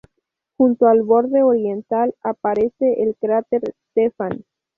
Junto al borde oriental aparece el cráter Stefan.